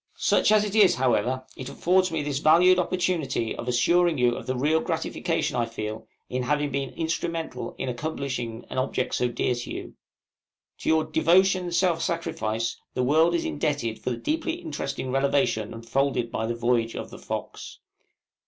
Such as it is, however, it affords me this valued opportunity of assuring you of the real gratification I feel in having been instrumental in accomplishing an object so dear to you. To your devotion and self sacrifice the world is indebted for the deeply interesting revelation unfolded by the voyage of the 'Fox.'